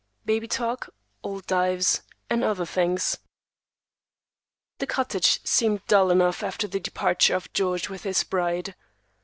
BABY TALK, OLD DIVES, AND OTHER THINGS. The cottage seemed dull enough after the departure of George with his bride.